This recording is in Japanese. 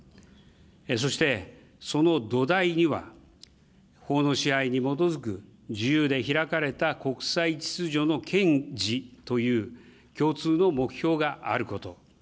そして、その土台には、法の支配に基づく自由で開かれた国際秩序の堅持という、共通の目標があること。